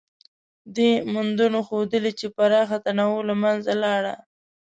دې موندنو ښودلې، چې پراخه تنوع له منځه لاړه.